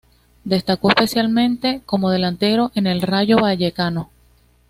Destacó, especialmente, como delantero en el Rayo Vallecano.